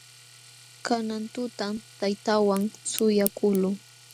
Kanan tutam taytaawan suyakuqluu.